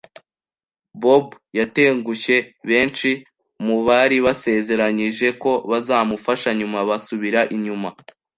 Bob yatengushye, benshi mu bari basezeranyije ko bazamufasha nyuma basubira inyuma